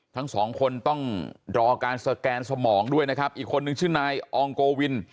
ทั้งสองคนต้องรอการสแกนสมองด้วยนะครับอีกคนนึงชื่อนายอองโกวิน